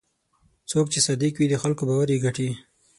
څوک چې صادق وي، د خلکو باور یې ګټي.